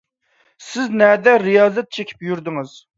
سىز نەدە رىيازەت چېكىپ يۈردىڭىز؟